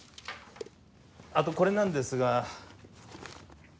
あとこれなんですが。